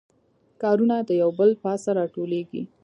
کارونه یو د بل پاسه راټولیږي